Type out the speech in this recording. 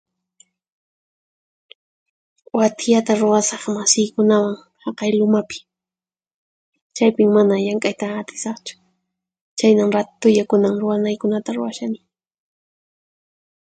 Wathiyata ruwasaq masiykunawan haqay lumapi. Chaypin mana llank'ayta atisaqchu, chhaynan ratulla kunan ruwanaykunata ruwashani.